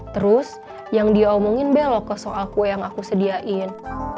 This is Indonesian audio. terus yang dia omongin belok ke soal kue yang aku sediain